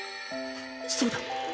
そうだ！